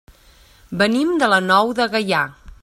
Venim de la Nou de Gaià.